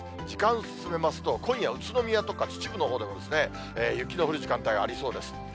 時間進めますと、今夜、宇都宮とか秩父のほうでも雪の降る時間帯がありそうです。